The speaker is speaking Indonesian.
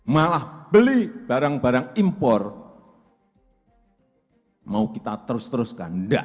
malah beli barang barang impor mau kita terus teruskan enggak